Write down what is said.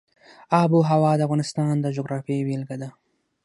آب وهوا د افغانستان د جغرافیې بېلګه ده.